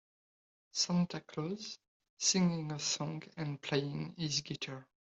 Santa Clause singing a song and playing his guitar.